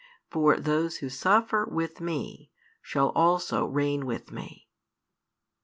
For those who surfer with Me shall also reign with Me."